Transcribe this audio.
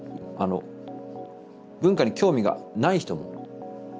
文化に興味がない人も。